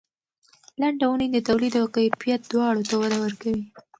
لنډه اونۍ د تولید او کیفیت دواړو ته وده ورکوي.